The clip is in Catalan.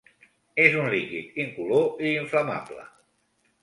És un líquid incolor i inflamable.